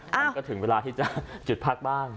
มันก็ถึงเวลาที่จะจุดพักบ้าง